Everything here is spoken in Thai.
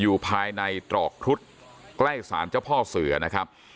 อยู่ภายในตรอกครุฑใกล้สารเจ้าพ่อเสือนะครับ